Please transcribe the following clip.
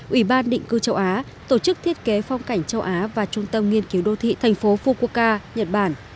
ủy ban định cư châu á tổ chức thiết kế phong cảnh châu á và trung tâm nghiên cứu đô thị thành phố fukuka nhật bản